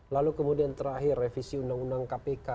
lalu kemudian terakhir revisi undang undang kpk